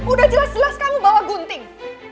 udah jelas jelas kamu bawa gunting